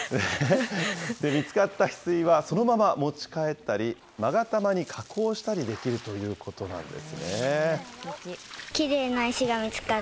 見つかったヒスイは、そのまま持ち帰ったり、まが玉に加工したりできるということなんですね。